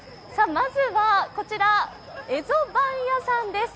まずはこちら、蝦夷番屋さんです。